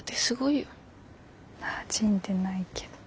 なじんでないけど。